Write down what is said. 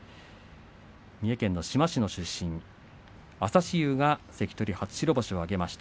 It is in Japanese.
三重県志摩市出身朝志雄が関取初白星を挙げました。